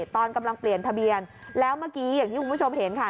ตอนกำลังเปลี่ยนทะเบียนแล้วเมื่อกี้อย่างที่คุณผู้ชมเห็นค่ะ